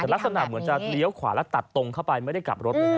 แต่ลักษณะเหมือนจะเลี้ยวขวาแล้วตัดตรงเข้าไปไม่ได้กลับรถเลยนะ